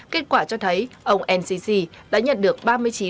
kết quả cho thấy ông e a abdel fattah ncc đã đối mặt với các tàu thương mại quốc tế